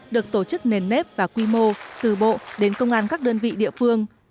được tổ chức nền nếp và quy mô từ bộ đến công an các đơn vị địa phương